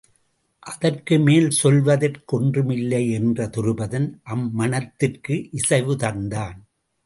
அதற்கு மேல் சொல்வதற்கு ஒன்றும்இல்லை என்று துருபதன் அம் மணத்துக்கு இசைவு தந்தான்.